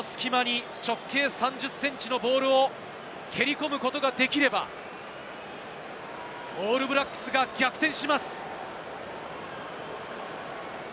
バーの高さは３ｍ、その隙間に直径３０ｃｍのボールを蹴り込むことができればオールブラックスが逆転します。